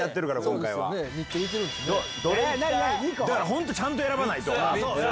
本当にちゃんと選ばないと。